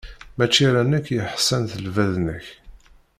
Mačči ala nekk i yeḥsan s lbaḍna-k.